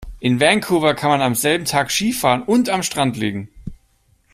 In Vancouver kann man am selben Tag Ski fahren und am Strand liegen.